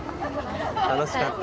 楽しかった？